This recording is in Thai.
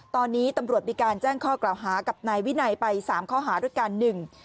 ตอนนี้ตำรวจมีการแจ้งข้อกล่าวหากับนายวินัยไปสามข้อหาด้วยกันหนึ่ง